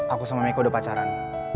aku sama micko udah pacaran